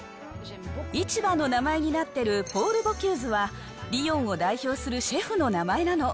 市場の名前になってるポール・ボキューズは、リヨンを代表するシェフの名前なの。